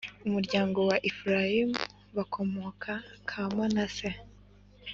umuryango wa Efurayimu bakomoka ka manase